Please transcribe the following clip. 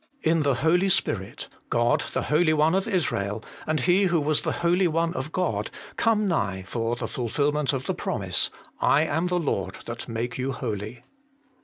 In the Holy Spirit, God the Holy One of Israel, and He who was the Holy One of God, come nigh for the fulfilment of the promise, ' I am the Lord that make you holy.'